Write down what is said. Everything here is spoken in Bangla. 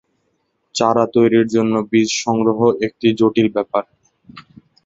চারা তৈরির জন্য বীজ সংগ্রহ একটি জটিল ব্যাপার।